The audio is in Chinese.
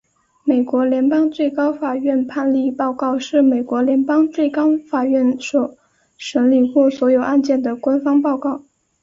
美国联邦最高法院判例报告是美国联邦最高法院所审理过所有案件的官方报告。